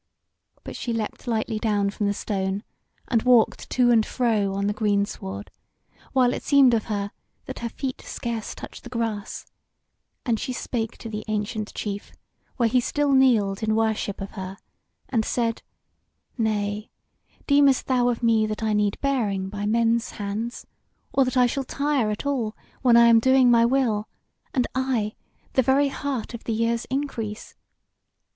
But she leapt lightly down from the stone, and walked to and fro on the greensward, while it seemed of her that her feet scarce touched the grass; and she spake to the ancient chief where he still kneeled in worship of her, and said "Nay; deemest thou of me that I need bearing by men's hands, or that I shall tire at all when I am doing my will, and I, the very heart of the year's increase?